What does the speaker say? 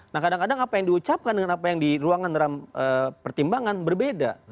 nah kadang kadang apa yang diucapkan dengan apa yang di ruangan dalam pertimbangan berbeda